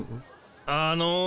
あの。